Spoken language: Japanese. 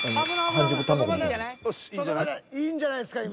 いいんじゃないですか今。